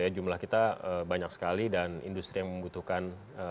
jumlah kita banyak sekali dan industri yang membutuhkan